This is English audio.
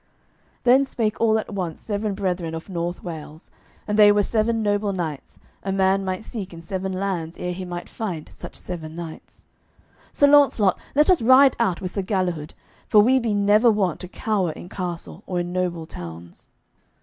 Then spake all at once seven brethren of North Wales, and they were seven noble knights, a man might seek in seven lands ere he might find such seven knights: "Sir Launcelot, let us ride out with Sir Galihud, for we be never wont to cower in castle, or in noble towns."